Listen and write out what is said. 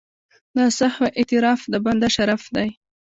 د سهوې اعتراف د بنده شرف دی.